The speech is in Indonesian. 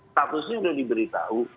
statusnya sudah diberitahu